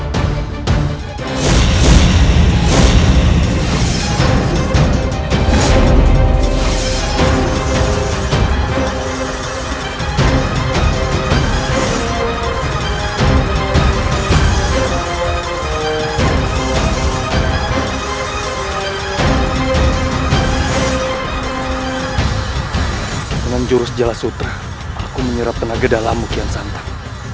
dengan jurus jelas sutra aku menyerap tenaga dalam mekian santan